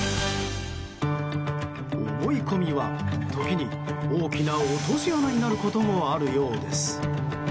思い込みは、時に大きな落とし穴になることもあるようです。